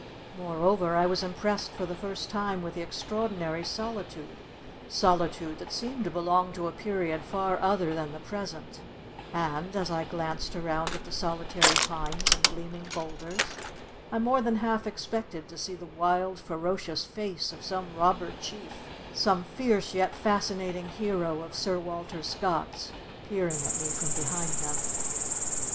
Moreover, I was impressed for the first time with the extraordinary solitude—solitude that seemed to belong to a period far other than the present, and, as I glanced around at the solitary pines and gleaming boulders, I more than half expected to see the wild, ferocious face of some robber chief—some fierce yet fascinating hero of Sir Walter Scott's—peering at me from behind them.